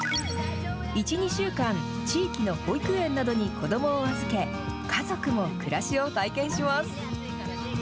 １、２週間、地域の保育園などに子どもを預け、家族も暮らしを体験します。